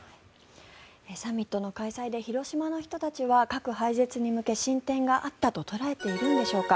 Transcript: サミットの開催で広島の人たちは核廃絶に向け進展があったと捉えているんでしょうか。